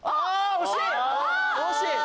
惜しい！